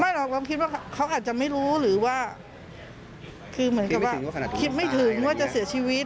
ไม่หรอกเราคิดว่าเขาอาจจะไม่รู้หรือว่าคิดไม่ถึงว่าจะเสียชีวิต